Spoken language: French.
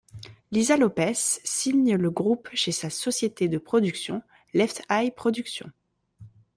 Lisa Lopes signe le groupe chez sa société de production, Left Eye Productions.